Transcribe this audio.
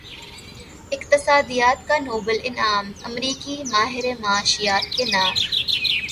اقتصادیات کا نوبل انعام امریکی ماہر معاشیات کے نام